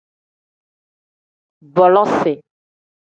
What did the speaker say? Bolosiv.